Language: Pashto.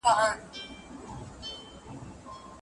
د دې ځای نڼېدنګه ماته خوند نه راکوي .